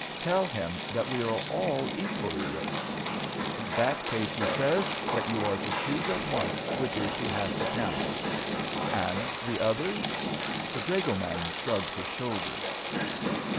"Tell him that we are all equally rich." "In that case he says that you are to choose at once which is to have the camel." "And the others?" The dragoman shrugged his shoulders.